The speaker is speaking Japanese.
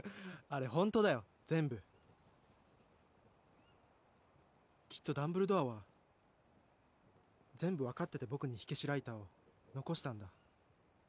あれホントだよ全部きっとダンブルドアは全部分かってて僕に灯消しライターを残したんだ